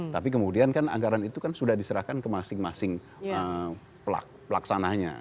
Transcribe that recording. tapi kemudian kan anggaran itu kan sudah diserahkan ke masing masing pelaksananya